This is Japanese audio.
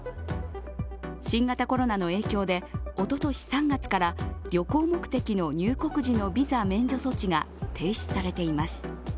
新型コロナの影響でおととし３月から旅行目的の入国時のビザ免除措置が停止されています。